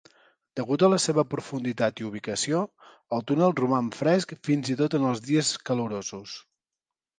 Degut a la seva profunditat i ubicació, el túnel roman fresc fins i tot els dies calorosos.